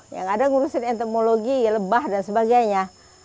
yang ada ngurusin entomologi lebah dan sebagainya